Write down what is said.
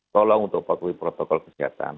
tolong untuk patuhi protokol kesehatan